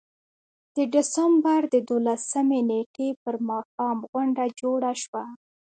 د ډسمبر د دولسمې نېټې پر ماښام غونډه جوړه شوه.